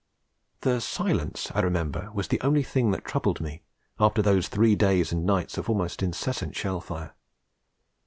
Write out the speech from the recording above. The silence, I remember, was the only thing that troubled me, after those three days and nights of almost incessant shell fire.